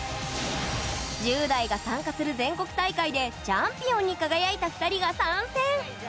１０代が参加する全国大会でチャンピオンに輝いた２人が参戦。